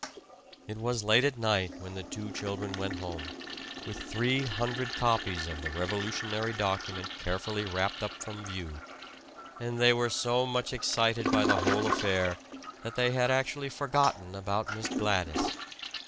It was late at night when the two children went home, with three hundred copies of the revolutionary document carefully wrapped up from view; and they were so much excited by the whole affair that they had actually forgotten about Miss Gladys!